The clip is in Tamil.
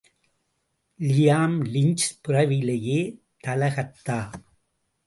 லியாம் லிஞ்ச் பிறவியிலேயே தளகர்த்தா.